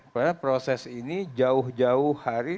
karena proses ini jauh jauh hari